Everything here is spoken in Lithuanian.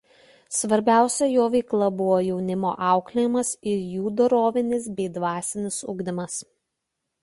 Svarbiausia jo veikla buvo jaunimo auklėjimas ir jų dorovinis bei dvasinis ugdymas.